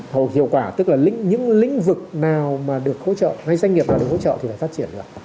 hầu hiệu quả tức là những lĩnh vực nào mà được hỗ trợ hay doanh nghiệp nào được hỗ trợ thì phải phát triển được